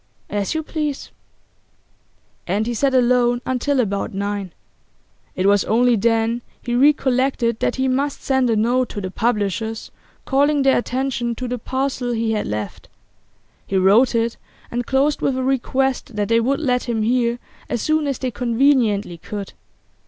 'As you please.' And he sat alone until about nine. It was only then he recollected that he must send a note to the publishers, calling their attention to the parcel he had left. He wrote it, and closed with a request that they would let him hear as soon as they conveniently could.